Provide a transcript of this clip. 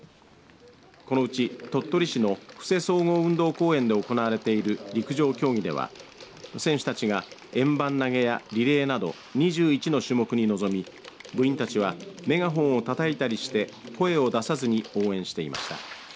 このうち鳥取市の布勢総合運動公園で行われている陸上競技では選手たちが円盤投げやリレーなど２１の種目に臨み部員たちはメガホンをたたいたりして声を出さずに応援していました。